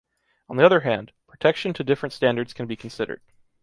On the other hand, protection to different standards can be considered.